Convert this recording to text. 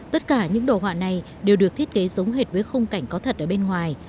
tất cả những đồ họa này đều được thiết kế giống hệt với khung cảnh có thật ở bên ngoài